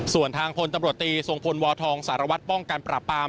ส่วนทางพตทรงพลวธองค์สารวัติป้องการประปาร์ม